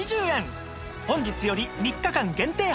本日より３日間限定販売です